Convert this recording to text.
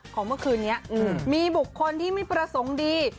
เมื่อคืนนี้มีบุคคลที่ไม่ประสงค์ดี